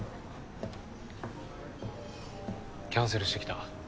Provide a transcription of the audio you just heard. キャンセルしてきた。